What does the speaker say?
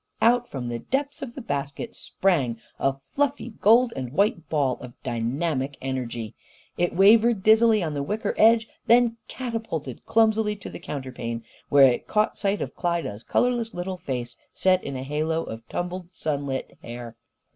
Out from the depths of the basket sprang a fluffy gold and white ball of dynamic energy. It wavered dizzily on the wicker edge, then catapulted clumsily to the counterpane, where it caught sight of Klyda's colourless little face set in a halo of tumbled sunlit hair.